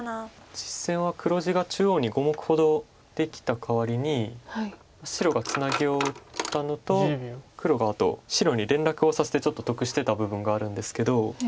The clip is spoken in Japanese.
実戦は黒地が中央に５目ほどできたかわりに白がツナギを打ったのと黒があと白に連絡をさせてちょっと得してた部分があるんですけど。